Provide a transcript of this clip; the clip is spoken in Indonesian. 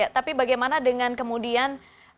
tapi bagaimana dengan kemudian